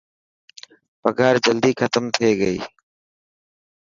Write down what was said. پگهار جلدي ختم ٿي گئي.